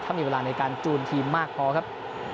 ถ้ามีเวลาในการจูนทีมมากพอครับ